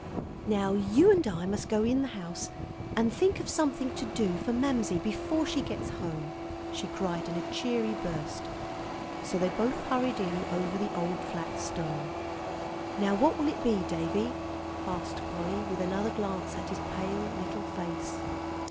"Now you and I must go in the house and think of something to do for Mamsie before she gets home," she cried in a cheery burst. So they both hurried in over the old flat stone. "Now what will it be, Davie?" asked Polly, with another glance at his pale little face.